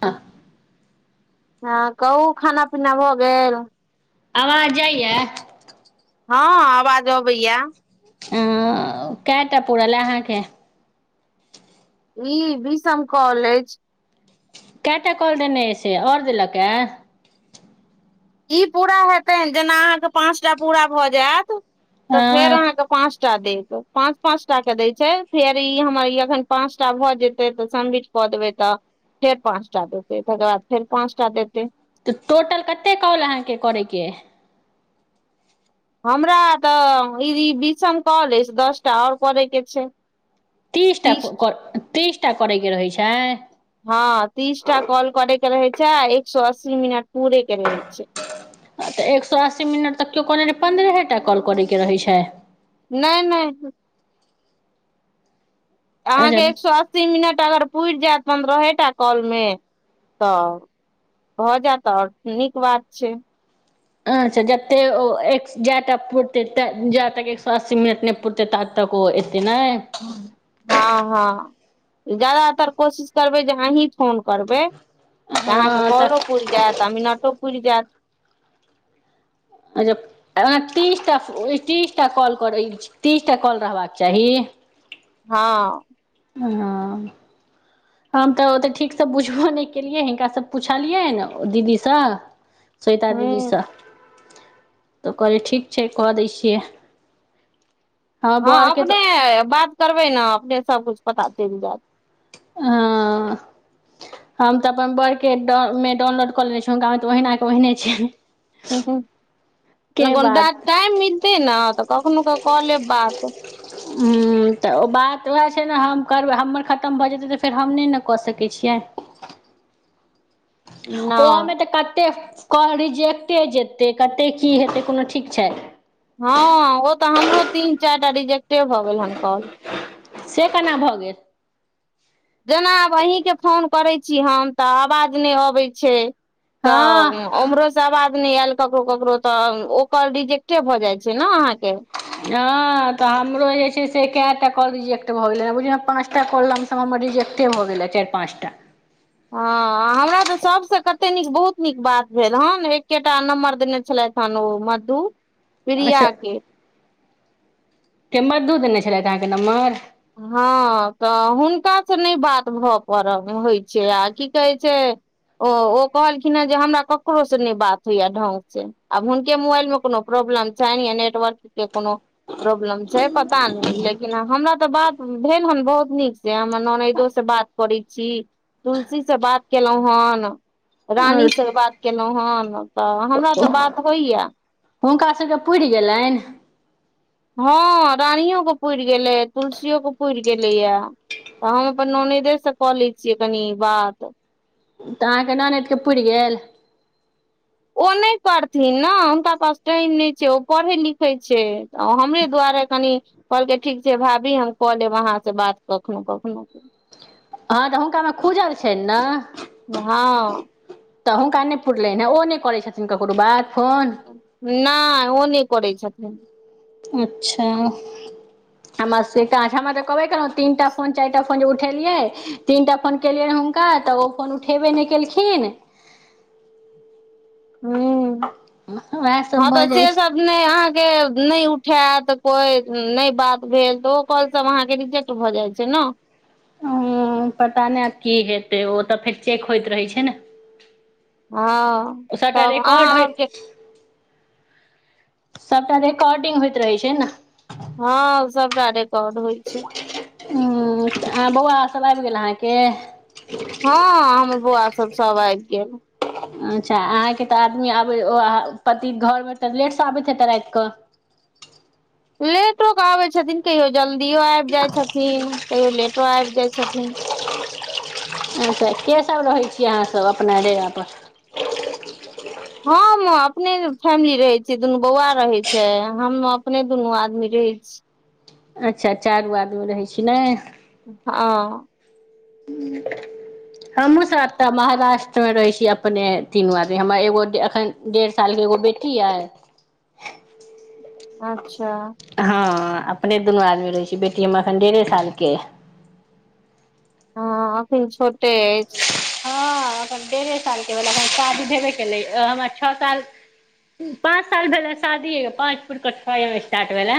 आ हँ कहू खाना पीना भऽ गेल आवाज जाइय हँ आवाज अबैयै कएटा पूरल अहाँके ई बीसम कॉलेज कए टा कॉल देने अइ से आओर देलक यै की पूरा हेतैन जेना अहाँके पाँचटा पूरा भऽ जायत तऽ फेर हँ अहाँके पाँच टा देत पाँच पाँच टा के दै छै फेर ई हमर ई अखन पाँचटा भए जेतै तऽ सबमिट कऽ देबै तऽ फेर पाँच टा देतै तकर बाद फेर पाँच टा देतै तऽ टोटल कते कॉल अहाँके करयके अइ हमरा तऽ ई बीसम कॉल अछि दस टा आओर करयके छै तीस टा कर तीस टा करैके रहै छै हँ तीस टा कॉल करै के रहे छै आ एक सए अस्सी मिनट पूरै के रहै छै तऽ एक सए अस्सी मिनट तक केओ कहने रहै पन्द्रहे टा कॉल करयके रहै छै नहि नहि अहाँके अच्छा एक सए अस्सी मिनट अगर पूरि जायत पन्द्रहे टा कॉल मे तऽ भऽ जैत तऽ आओर नीक बात छै [unintelligible] पुरते ता तक ओ एते नहि हँ हँ ज्यादातर कोशिश करबै जे अहीं फोन करबै जे अहाँके हँ कॉलो तऽ पूरि जैत आ मिनटो पूरि जैत अच्छा तीसटा तीसटा तीसटा कॉल रहबाक चाही हँ ओ हम तऽ ओते ठीकसँ बुझबो नहि केलियै हिनकाँ पुछलियैन दीदीसँ [inaudible] स्वेता दीदीसँ तऽ कहली ठीक छै कऽ दै छियै हमर हँ बड़के अपने तऽ बात करबै ने अपने सब कुछ पता चलि जैत ह हम तऽ अपन बड़के मे डाउनलोड कऽ लेने छी हुनका मे तऽ ओहिना के ओहिने छै ह के ह बात टाइम मिलतै ने तऽ कखनो कऽ कऽ लेब बात हू तऽ ओ बात ओएह छै ने हम करबै हमर खतम भऽ जेतै तऽ फेर हम नहि ने कऽ सकै छियै ओहोमे नहि तऽ कतेक कह रिजेक्टे जेतै कतेक की हेतै कोनो ठीक छै हँ ओ तऽ हमरो तीन चारि टा रिजेक्टे भऽ गेल हन कॉल से केना भऽ गेल जेना आब अहीँके फोन करैत छी हम तऽ आवाज नहि अबैत छै हँ तऽ ओमहरो से आवाज नहि आयल ककरो ककरो तऽ ओ कॉल रिजेक्टे भऽ जाइ छै ने अहाँके हँ तऽ हमरो जे छै से कैटा कॉल रिजेक्ट भऽ गेलै बुझियौ ने पाँच टा कॉल लम सम तऽ हमर रिजेक्टे भऽ गेलै चारि पाँचटा हँ हमरा तऽ सभसँ कते नीक बहुत नीक बात भेल हन एकेटा नम्बर देने छलैथ मधु अच्छा प्रियाके के मधु देने छलैथ अहाँके नम्बर हँ तऽ हुनका से नहि बात भऽ पड़ल होइ छै आ की कहै छै ओ ओ कहलखिन हे जे हमरा ककरो से नहि बात होइयै ढंग से आब हुनके मोबाइल में कोनो प्रॉब्लम छै नेटवर्क के कोनो प्रॉब्लम छै पता नहि लेकिन हमरा तऽ बात भेल हेन बहुत नीक से हमर ननैदो से बात करै छी तुलसी से बात केलहुॅं हन रानीसँ बात केलौं हन तऽ हमरा तऽ बात होइयै हुनका सभके पूरि गेलनि हँ रानिओके पूरि गेलै तुलसिओके पूरि गेलै यै तऽ हम अपन ननैदेसँ कऽ लै छियै कनि बात तऽ अहाँके ननैदक पुरि गेल ओ नहि करथिन ने हुनका पास टाइम नहि छै ओ पढ़ैत लिखैत छै हमरे दुआरे कनि कहलकै ठीक छै भाभी हम कऽ लेब अहाँसँ बात कखनहु कखनहु हँ तऽ हुनका मे खुजल छनि ने हँ तऽ हुनका नहि पुरलनि हे ओ नहि करै छथिन ककरो बात फोन नहि ओ नहि करै छथिन अच्छा [unintelligible] हम से हमरा तऽ कहबे कलहुँ तीनटा फोन चारिटा फोन जे उठेलियै तीनटा फोन केलियनि हुनका तऽ ओ फोन उठेबे नहि केलखिन ह उएह सब हँ तऽ भऽ से जाइ छै सब अहांके नहि उठायत कोइ नहि बात भेल तऽ ओ कौल सब अहांकेे रिजेक्ट भ जाय छै न ह पता नहि की हेतै ओ तऽ फेर चेक होइत रहै छै ने हँ सबटा तब अहाँ रेेकॉर्ड आरके होयत सभटा रिकॉर्डिंग होइत रहै छै ने हँ सबटा रिकॉर्ड होइ छै आ बौआ सब आबि गेल अहाँके हँ हमर बौआ सब सब आबि गेल अच्छा अहाँके तऽ आदमी आब पति घर मे तऽ लेट से आबैत हेत राति कऽ लेटोेक आबै छथिन कहियो जल्दियो आबि जाइ छथिन कहियो लेटो आबि जाइ छथिन अच्छा के सभ रहैत छी अहाँसभ अपना डेरापर हम अपने फैमिली रहैत छियै दुनू बौआ रहैत छै हम अपने दुनू आदमी रहै छी अच्छा चारू आदमी रहै छी ने हँ हू हमहूँ सबटा महाराष्ट्रमे रहै छी अपने तीनू आदमी हमरा एगो एखन डेढ़ सालके एगो बेटी य अच्छा हँ अपने दुनू आदमी रहै छी बेटी हमर एखन डेढ़े सालके हँ एखन छोटे अछि हँ अखन डेढ़े सालके भेलै हय शादी भेबे केलै हमर छ साल पाँच साल भेलै शादी ह पाँच पुर क छ स्टार्ट भेल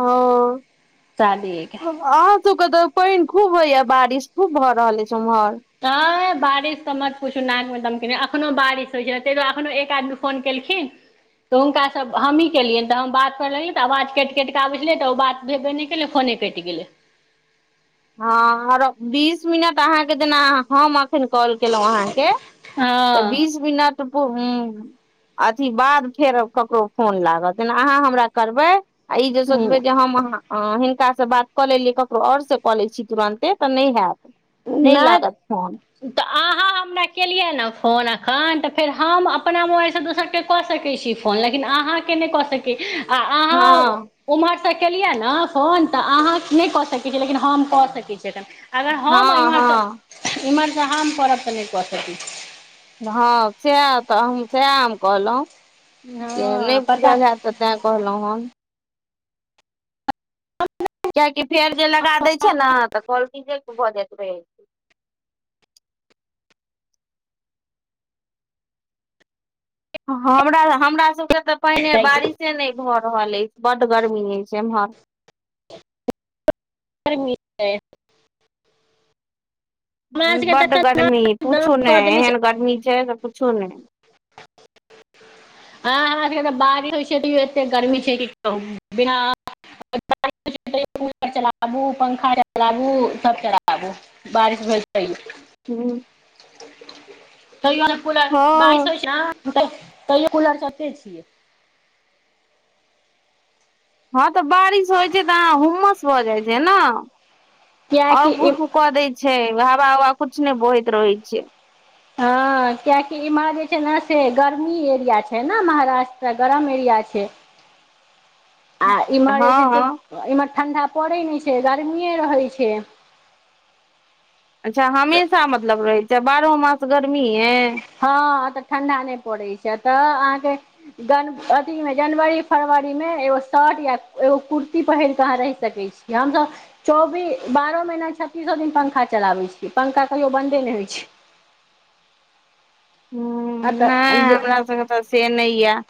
ओ शादी ऐ क अहाँ सब के तऽ पानि खूब होइया बारिश खूब भऽ रहल अछि उम्हर तै बारिश तऽ मत पूछु नाक मे दम केने य एखनो बारिश होइ छै एखनो एक आदमी फोन केल खिन तऽ हुनका सब हमही केलियनि तऽ हम बात करलियै तऽ आवाज कटि कटि आब छलै तऽ ओ बात भेबे नहि केलै फोने कटि गेलै हँ आरो बीस मिनट अहाँके जेना हम कॉल केलहुॅँ अहाँके तऽ हँ बीस मिनट अथी बाद फेर ककरो फोन लागत जना अहाँ हमरा करबै आ ई जे नहि सोचबे जे हम अ हिनका से बात कऽ लेलियै ककरो आओर से क लैछी तुरन्ते तऽ नहि हेयत नहि तऽ अहाँ हम न केलियै न फोन त फेर हम अपना मोबाइल से दोसर कऽ कऽ सकै छी फोन लेकिन अहाँ के नहि कऽ सकी आ अहाँ हँ उम्हरसँ केलियै न फोन तऽ अहाँ नहि कऽ सकै छीयै लेकिन हम कऽ सकैत छियैन हम हँ एम्हरसँ हँ एम्हरसँ हम करब तऽ नहि कऽ सकै छी हँ सह तऽ हम सएह हम कहलहुँ छी जे नहि हँ पता बुझल हैत तऽ तैँ कहलौ हन कियाकि फेयर वेल लगा दैत छै न कॉल रिजेक्ट भ जाइत रहै छै हमरा हमरा सबके तऽ पहिने बारिश से नहि भऽ रहल अछि बड गर्मी अछि एम्हर गर्मी [unintelligible] हमरा सबके बड तऽ गर्मी एखन पूछू कऽ नहि देने छै एहन गर्मी छै से पूछू नहि [inaudible] हँ हमरा सबके तऽ बारिश होइ छै तैयो एत्ते गर्मी छै की कहु बिना [inaudible] कूलर चलाबू पंखा चलाबू सब चलाबू बारिश भेल तैयो हुँ तैयो जे पुल बारिस हँ होइ छै त तैयो कूलर चलबेते छियै हँ तऽ बारिश होइ छै तऽ अहाँ हुम्मस भऽ जाइ छै न आर कियाकि गुफ कऽ दै छै हवा उवा कुछ ने बहैत रहै छै हँ कियकि इम्हर जे छै ने से गर्मी एरिया छै ने महाराष्ट्रा गरम एरिया छै [inaudible] आ इम्हर हँ जे हँ छै इम्हर ठण्डा पड़ै नहि छै गर्मीए रहैत छै अच्छा हमेशा मतलब रहै छै बारहो मास गर्मीए हँ तऽ ठण्डा नहि पड़ैत छै तऽ अहाँके गन अथीमे जनवरी फरवरी मे एगो शर्ट या एगो कुर्ती पहिर कऽ अहाँ रहि सकै छी हम सब चौबीस बारहो महिना छत्तीसो दिन पंखा चलाबे छी पंखा कहियो बन्दे नहि होइ छै हुँ आ नै तऽ जे हमरा सब के ओतह से नहि या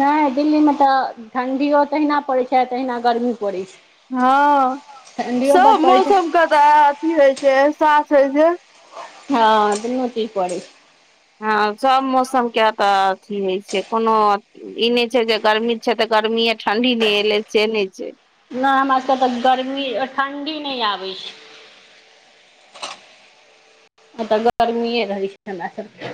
नहि दिल्लीमे तऽ ठण्डियो तहिना पड़ैत छै तहिना गर्मी पड़ैत छै हँ ठण्ढियो सब बड पड़ैत मौसम छै के तऽ अथी होइ छै एहसास होइ छै हँ दुनू ची पड़ै हँ सभ मौसम के तऽ अथी होइ छै कोनो ई नहि छै जे गर्मी छै तऽ गर्मीये आ ठणडी नहि एले से नहि छै नहि हमरा सभके तऽ गर्मी ठण्डी नहि आबै छै आ गर्मी रहै छै हमरा सबके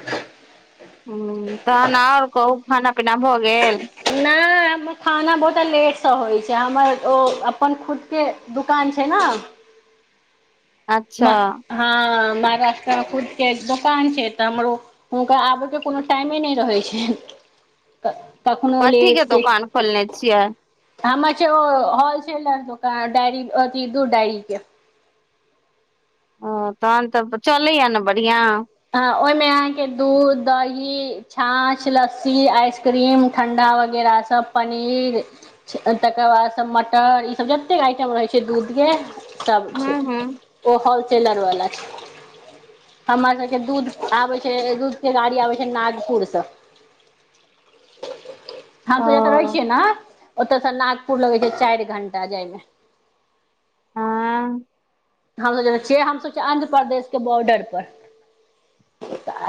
हुँ तहन आउर कहू खाना पीना भऽ गेल नहि हमर खाना बहुत लेटसँ होइ छै हमर ओ अपन खुद के दुकान छै ना अच्छा हँ महाराष्ट्रा फूड के दुकान छै त हमरो हुनकर आबयके कोनो टाइमे नहि रहैत छैन कखनो कथी लेट के दोकान खोलने सेट छियै हमर छै ओ होलसेलर दोकान डायरी अथि दू डायरी के ओ तहन तऽ चलैया ने बढ़ियाॅं हँ ओहिमे अहाँके दूध दही छाँछ लस्सी आइसक्रीम ठण्डा वगैराह तऽ पनीर तकर बाद सभ मटर ईसभ जतेक आइटम रहै छै दूधके सब छै हूँ हूँ ओ होलसेलर वाला छै हमरा दूध आबे छै दूध के गाड़ी आबे छै नागपुर स हम सब जेतऽ रहै ओ छियै ना ओतयसँ नागपुर लगे छै चार घंटा जायमे हँ हमसब जेत छियै हमसब छियै आंध्रपदेश के बॉर्डर पर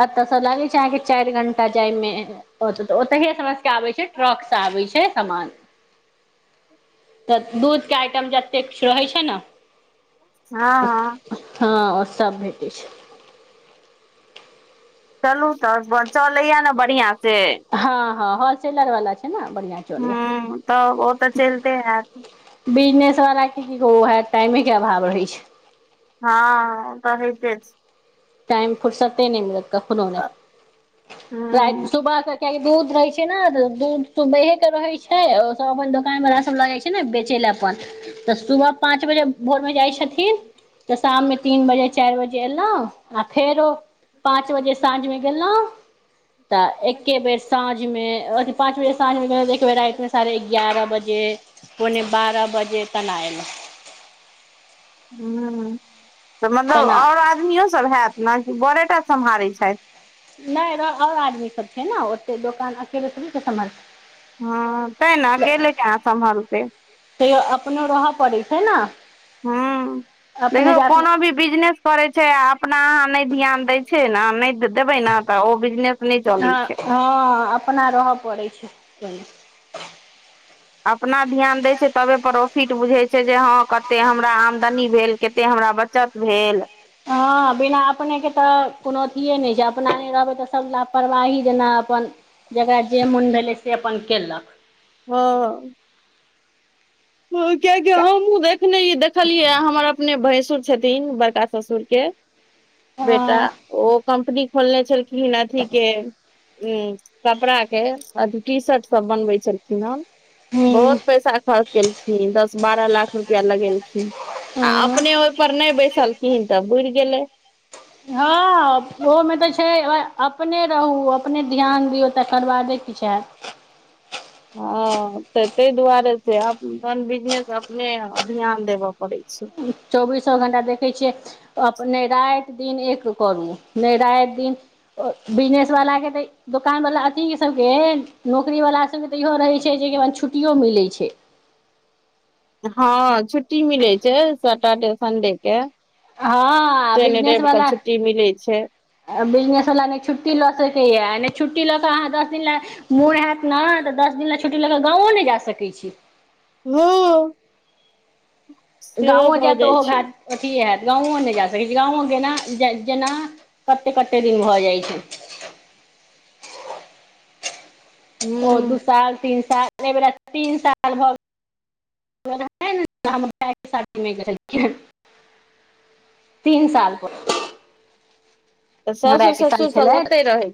एतसे लागै छै अहाँके चारि घंटा जाइमे होत तऽ ओतहै से आबै छै ट्रक से आबै छै समान तऽ दूधके आइटम जतेक रहै छै न हाँ हाँ हाँ ओ सभ भेटै छै चलू तऽ चलैयै ने बढ़ियाॅं से हाँ हाँ होलसेलर वाला छै ना बढ़ियाॅं ह्म तऽ ओ तऽ चलिते हैत बिजनेस वाला के की कहो उहे टाइमे के अभाव रहै छै हाँ उ तऽ होइते छै टाइम फुरसते नहि मिलत कखनो ने रात हूँ सुबह के कियैक दूध रहै छै ने तऽ दूध सुबेहे के रहै छै सभ अपन दोकान वला सब लऽ जाय छै ने बेचै लेऽ अपन तऽ सुबह पाँच बजे भोर मे जाइ छथि न तऽ शाममे तीन बजे चार बजे एलहुँ आ फेरो पाँच बजे साँझमे गेलौं तऽ एक्के बेर साँझ में अथि पाँच बजे साँझ मे गेलौ एक बेर रात मे साढ़े ग्यारह बजे पौने बारह बजे तन आयलौ ह तऽ मतलब तेना ओर आदमियोसभ हैत ने की बरेटा सम्हारैत छैथ नहि ओर आदमी सब छै ने ओते दोकान अकेले सबके सम्हारतै हँ तैं ने अकेले केना संभलते तैयो अपनो रहय पड़ै छै ना हू देखियौ कोनो भी बिजनेस करै छै आ अपना अहाँ नहि ध्यान दैय छै न नहीं देबै ने तऽ ओ बिजनेस नहि चलै छै हाँ अपना रहऽ पड़ै छै अपना ध्यान दै छै तबे प्रॉफिट बुझैत छै जे हाँ कते हमरा आमदनी भेल कते हमरा बच चत भेल हाँ बिना अपनेके तऽ कोनो अथिए नहि छै अपना नहि रहबै तऽ सभ लापरवाही जेना अपन जेकरा जे मोन भेलै से अपन कैलक हँ कियकि हमहुँ देखने देखलियै हमर अपने भैंसुर छथिन बड़का ससुरके बेटा हँ ओ कम्पनी खोलने छलखिन अथी के कपड़ा के अथी टी शर्ट सब बनबे छलखिन हन हूँ बहुत पैसा खर्च केलखिन दस बारह लाख रुपया लगेलखिन आ हँ अपने ओइ पर नइ बैसलखिन कीन तऽ बुुरि गेलै हँ ओहोमे तऽ छै अपने रहू अपने ध्यान दियौ तकरबादे किछ हैत हँ तऽ तै दुआरे से अपन बिजनेस अपने ध्यान देबय पड़ै छै चौबीसो घण्टा देखै छियै अपने राति दिन एक करू नहि राति दिन बिजनेसवाला के तऽ ई दोकानवला अथी सभके नौकरीवला सभके तऽ इहो रहै छै जे छुट्टियो मिलै छै हँ छुट्टी मिलै छै सटरडे सन्डे के हँ शनि रवि के छुट्टी मिलै छै बिजनेस वला नहि छुट्टी लऽ सकैए नहि छुट्टी लऽ कऽ अहाँ दस दिन लै मोन हैत न तऽ दस दिन लै छुट्टी लऽ कऽ गाँओ नहि जा सकै छी हूं गाँवो जाएब त ओहो घाट अथी होयत गाँउओ नइ जा सकै छी गामो गेना जेना कते कते दिन भऽ जाइ छै ह ओ दू साल तीन साल अइबेरा तीन साल भऽ हमर भायके शादी नइ करे छिये तीन साल पर तऽ हमर साउस भाय के शादी ससुर सब छलै ओते रहै